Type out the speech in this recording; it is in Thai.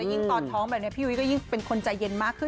ยิ่งตอนท้องแบบนี้พี่ยุ้ยก็ยิ่งเป็นคนใจเย็นมากขึ้น